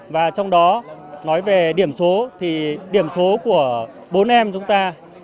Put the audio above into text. và trong đó nói về điểm số thì điểm số của bốn em chúng ta